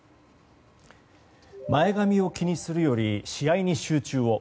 前髪を気にするより試合に集中を。